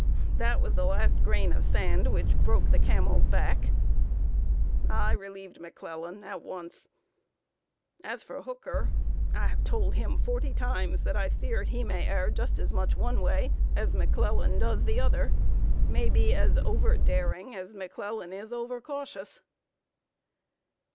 That was the last grain of sand which broke the camel's back. I relieved McClellan at once. As for Hooker, I have told him forty times that I fear he may err just as much one way as McClellan does the other may be as over daring as McClellan is over cautious."